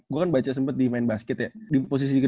gue kan baca sempet di main basket ya